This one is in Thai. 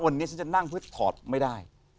วันนี้ฉันจะนั่งเพื่อถอดไม่ได้